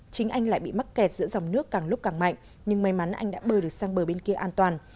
chính anh lại bị mắc kẹt giữa dòng nước càng lúc càng mạnh nhưng may mắn anh đã bơi được sang bờ bên kia an toàn